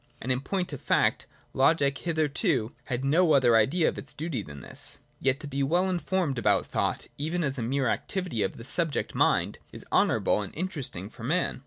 And in point of fact Logic hitherto had no other idea of its duty than this. Yet to be well informed about thought, even as a mere activity of the subject mind, is honourable and interesting for man.